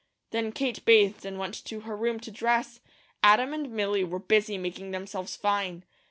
Then Kate bathed and went to her room to dress. Adam and Milly were busy making themselves fine.